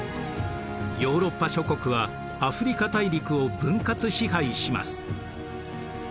ヨーロッパ諸国はアフリカ大陸を分割支配します。